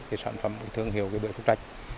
cái sản phẩm thương hiệu cái bưởi phúc trách